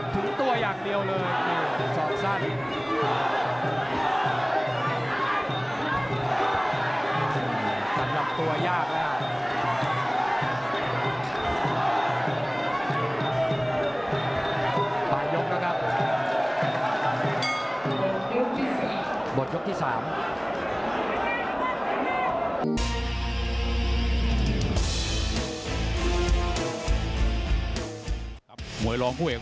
ตัวอย่างเดียวเลยศอกสั้น